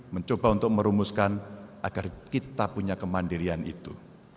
mencoba untuk merumuskan agar kita punya kemandirian itu